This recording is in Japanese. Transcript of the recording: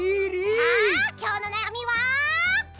さあきょうのなやみは。